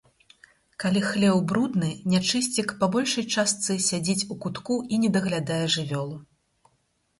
Калі хлеў брудны, нячысцік па большай частцы сядзіць у кутку і не даглядае жывёлу.